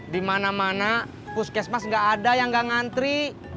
di mana mana puskesmas gak ada yang gak ngantri